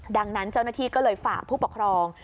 ดังนั้นเจ้าหน้าที่ก็เลยฝากผู้ปกครอง